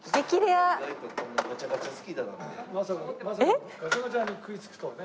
まさかまさかガチャガチャに食い付くとはね。